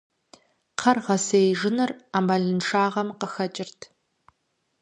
Кхъэр гъэсеижыныр Ӏэмалыншагъэм къыхэкӀырт.